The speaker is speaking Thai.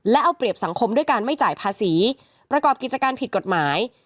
และเอาเปรียบสังคมด้วยการไม่จ่ายภาษีประกอบกิจการผิดกฎหมาย